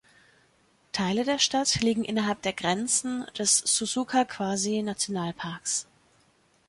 Teile der Stadt liegen innerhalb der Grenzen des Suzuka Quasi Nationalparks.